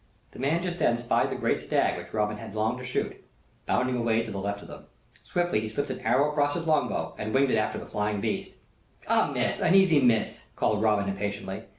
The man just then spied that great stag which Robin had longed to shoot, bounding away to the left of them. Swiftly he slipped an arrow across his longbow and winged it after the flying beast. "A miss, an easy miss!" called Robin, impatiently.